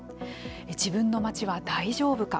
自分の街は大丈夫か。